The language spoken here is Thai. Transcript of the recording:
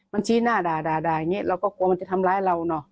มันชี้หน้าด่าอย่างนี้เราก็กลัวมันจะทำร้ายเราเนอะ